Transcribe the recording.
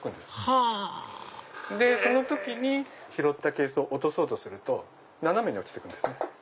はぁその時に拾った珪藻落とそうとすると斜めに落ちていくんです。